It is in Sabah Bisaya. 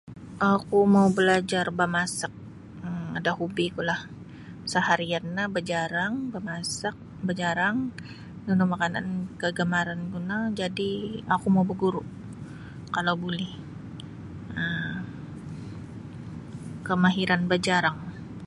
Oku mau balajar bamasak um da hobikulah seharian no bajarang bamasak bajarang nunu makanan kagamaranku no jadi oku mau baguru kalau buli um kemahiran bajarang.